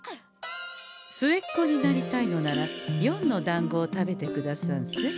末っ子になりたいのなら「四」のだんごを食べてくださんせ。